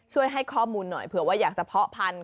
ให้ข้อมูลหน่อยเผื่อว่าอยากจะเพาะพันธุ